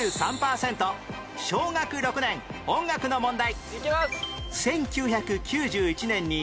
小学６年音楽の問題